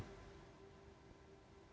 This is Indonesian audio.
apa yang terjadi itu